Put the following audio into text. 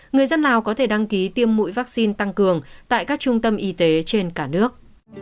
người dân lào có thể đăng ký tiêm mũi vaccine tăng cường tại các trung tâm y tế trên cả nước